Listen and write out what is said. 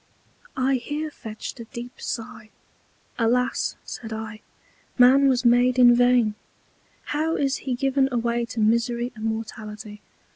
I here fetched a deep Sigh, Alas, said I, Man was made in vain! How is he given away to Misery and Mortality!